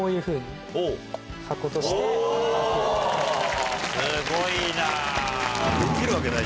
すごいな。